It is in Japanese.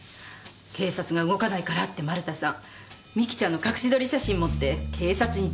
警察が動かないからって丸田さん美紀ちゃんの隠し撮り写真持って警察に怒鳴り込んだんですよ。